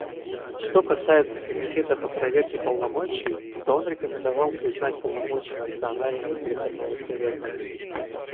Что касается Комитета по проверке полномочий, то он рекомендовал признать полномочия Национального переходного совета.